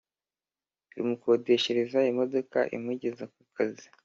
Rumukodeshereza imodoka imugeza ku kazi